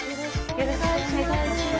よろしくお願いします。